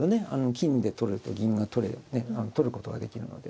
金で取ると銀が取ることができるので。